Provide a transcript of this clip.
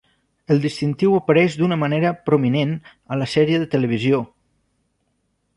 El distintiu apareix d'una manera prominent a la sèrie de televisió "".